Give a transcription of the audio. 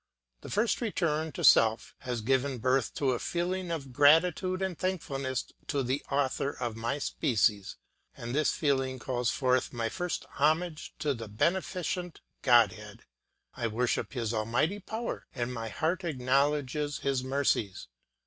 The first return to self has given birth to a feeling of gratitude and thankfulness to the author of my species, and this feeling calls forth my first homage to the beneficent Godhead. I worship his Almighty power and my heart acknowledges his mercies.